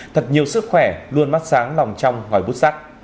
thật nhiều sức khỏe luôn mắt sáng lòng trong ngòi bút sắt